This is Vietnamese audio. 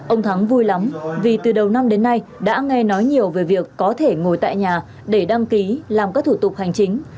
ông thắng vui lắm vì từ đầu năm đến nay đã nghe nói nhiều về việc có thể ngồi tại nhà để đăng ký làm các thủ tục hành chính